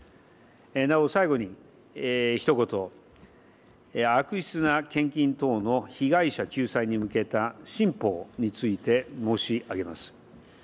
なお最後にひと言、悪質な献金等の被害者救済に向けた新法について申し上げます。